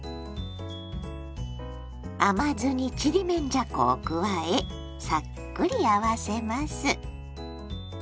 甘酢にちりめんじゃこを加えさっくり合わせます。